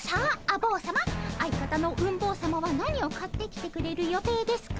坊さま相方のうん坊さまは何を買ってきてくれる予定ですか？